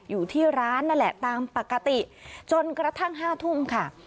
อยู่ที่ร้านนั่นแหละตามปกติจนกระทั่ง๕ทุ่มค่ะ